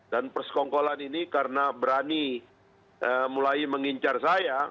dan persekongkolan ini karena berani mulai mengincar saya